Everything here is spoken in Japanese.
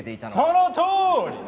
そのとおり！